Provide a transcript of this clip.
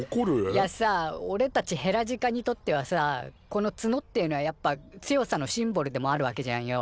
いやさおれたちヘラジカにとってはさこのツノっていうのはやっぱ強さのシンボルでもあるわけじゃんよ。